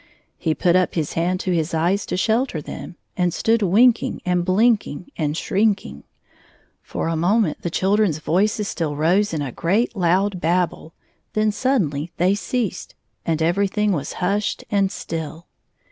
He put up his hand to his eyes to shelter them, and stood winking and bhnk ing and shrinking. For a moment the children's voices still rose in a great loud babble, then sud denly they ceased, and everything was hushed and still.